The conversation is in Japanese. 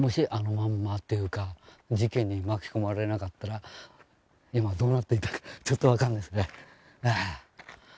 まんまっていうか事件に巻き込まれなかったら今どうなっていたかちょっと分かんないですね。